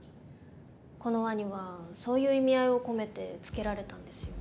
このワニはそういう意味合いを込めて付けられたんですよね。